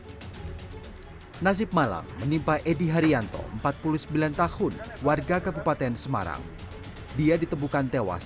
hai nasib malam menimpa edi haryanto empat puluh sembilan tahun warga kepupaten semarang dia ditemukan tewas